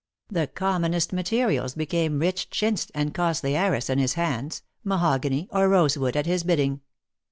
The commonest materials became rich chintz and costly arras in his hands, mahogany, or rose wood, at his bidding.